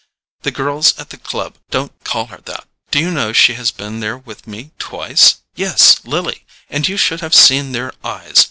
The girls at the club don't call her that. Do you know she has been there with me twice?—yes, Lily! And you should have seen their eyes!